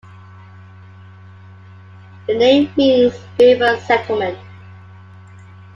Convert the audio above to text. The name means "river settlement".